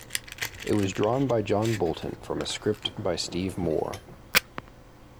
It was drawn by John Bolton from a script by Steve Moore.